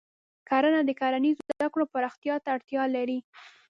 کرنه د کرنیزو زده کړو پراختیا ته اړتیا لري.